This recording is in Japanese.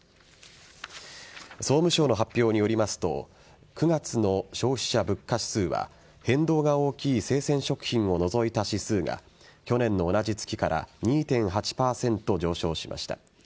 総務省の発表によりますと９月の消費者物価指数は変動が大きい生鮮食品を除いた指数が去年の同じ月から２．８％上昇しました。